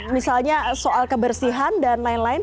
misalnya soal kebersihan dan lain lain